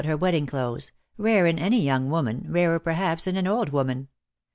her wedding clothes, rare in any young woman, rarer perhaps in an old woman.